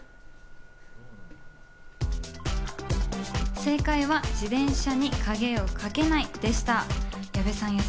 正解は、自転車に鍵をかけないでした。